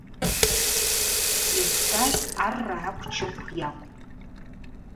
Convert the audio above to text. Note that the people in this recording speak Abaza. Йызхӏваз Арргӏа Квчыкв йакӏвпӏ.